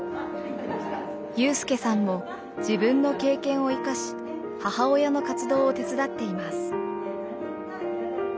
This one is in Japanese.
有さんも自分の経験を生かし母親の活動を手伝っています。